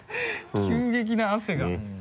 急激な汗が。